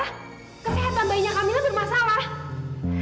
kesehatan bayinya kamila bermasalah